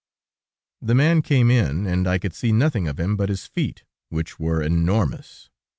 The man came in, and I could see nothing of him but his feet, which were enormous.